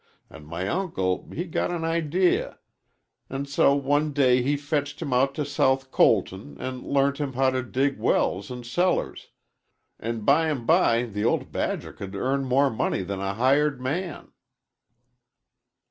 An' my uncle he got an idee, an' so one day he fetched him out to South Colton an' learnt him how to dig wells an' cellars, an' bym by the ol' badger could earn more money than a hired man."